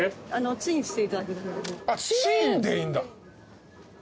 チンでいいんだ。